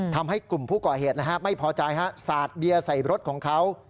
ทำให้กลุ่มผู้ก่อเหตุไม่พอใจสาดเบียร์ใส่รถของเขา